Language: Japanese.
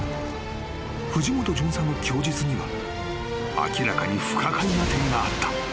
［藤本巡査の供述には明らかに不可解な点があった。